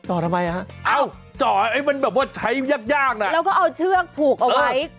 ทำไมฮะเอ้าจ่อไอ้มันแบบว่าใช้ยากยากน่ะแล้วก็เอาเชือกผูกเอาไว้